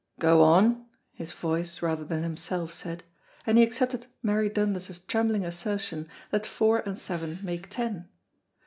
"Go on," his voice rather than himself said, and he accepted Mary Dundas's trembling assertion that four and seven make ten.